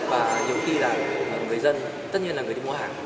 và nhiều khi là người dân tất nhiên là người đi mua hàng